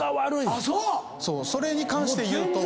それに関して言うと。